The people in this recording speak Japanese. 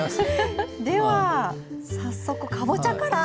では早速かぼちゃから。